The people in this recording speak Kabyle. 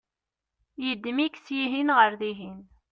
yeddem-ik syihen ɣer dihin